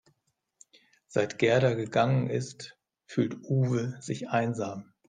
Seit Gerda gegangen ist, fühlt Uwe sich einsam.